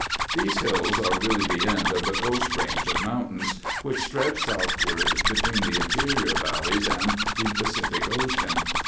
These hills are really the end of the Coast Range of mountains, which stretch southward between the interior valleys and the Pacific Ocean.